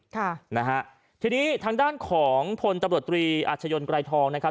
ค่ะนะฮะทีนี้ทางด้านของทนตรีอาชญนกรายทองนะครับ